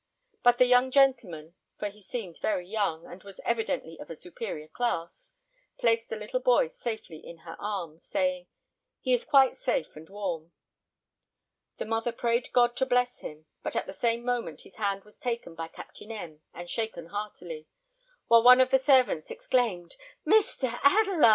But the young gentleman for he seemed very young, and was evidently of a superior class placed the little boy safely in her arms, saying, "He is quite safe and warm." The woman prayed God to bless him; but at the same moment his hand was taken by Captain M , and shaken heartily, while one of the servants exclaimed, "Mr. Adelon!